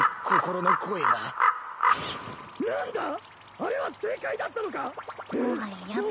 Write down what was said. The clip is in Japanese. あれは正解だったのか⁉えっ？